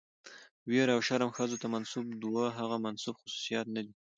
ويره او شرم ښځو ته منسوب دوه هغه منسوب خصوصيتونه دي،